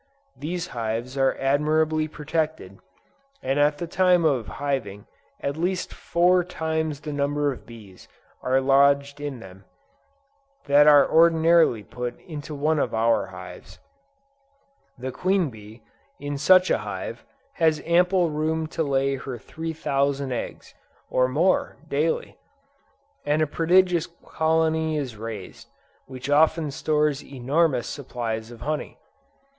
These hives are admirably protected, and at the time of hiving at least four times the number of bees are lodged in them, that are ordinarily put into one of our hives. The queen bee, in such a hive, has ample room to lay her three thousand eggs, or more, daily: and a prodigious colony is raised, which often stores enormous supplies of honey.